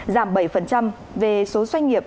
giảm bảy về số doanh nghiệp